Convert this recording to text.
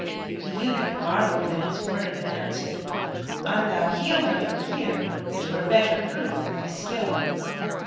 The eunuch marvelled at his words and answered, "An thou heal her from here it were better proof of thy skill."